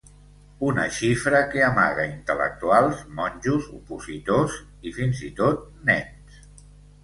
Una xifra que amaga intel·lectuals, monjos, opositors i, fins i tot, nens.